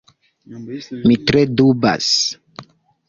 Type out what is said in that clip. Mi tre dubas.